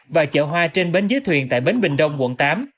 và chợ hoa trên bến dưới thuyền tại bến bình đông quận tám